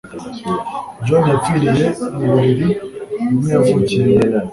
John yapfiriye mu buriri bumwe yavukiyemo